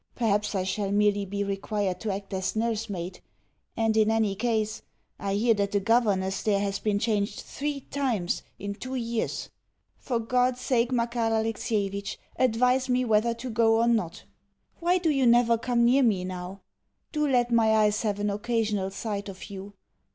Perhaps I shall merely be required to act as nursemaid; and in any case, I hear that the governess there has been changed three times in two years. For God's sake, Makar Alexievitch, advise me whether to go or not. Why do you never come near me now? Do let my eyes have an occasional sight of you.